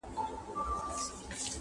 o خېشکي، چي ډوډۍ خوري دروازې پېش کي٫